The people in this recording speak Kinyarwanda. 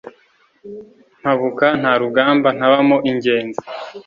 Mpabuka nta rugamba ntabamo ingenzi,